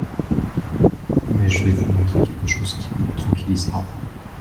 Mais je vais vous montrer quelque chose qui vous tranquillisera.